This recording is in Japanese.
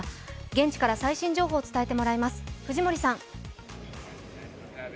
現地から最新情報を伝えてもらいます。